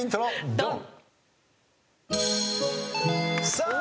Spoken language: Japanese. ドン！